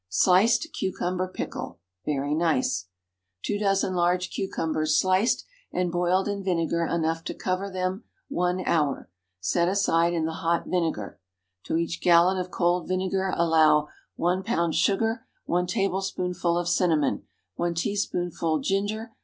SLICED CUCUMBER PICKLE. (Very nice.) 2 dozen large cucumbers, sliced, and boiled in vinegar enough to cover them, one hour. Set aside in the hot vinegar. To each gallon of cold vinegar allow— 1 lb. sugar. 1 tablespoonful of cinnamon. 1 teaspoonful ginger.